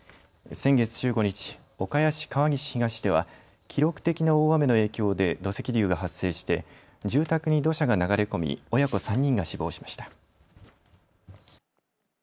先月１５日、岡谷市川岸東では記録的な大雨の影響で土石流が発生して住宅に土砂が流れ込み親子３人が死亡しました。